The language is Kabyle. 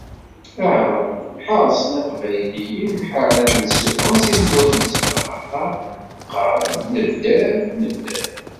Aɛraben ḥeṛsen Iqbayliyen, ḥaren ad ten-ssufɣen si tmurt-nsen, axaṭer qqaren: Nedder, nedder!